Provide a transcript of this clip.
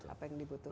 apa yang dibutuhkan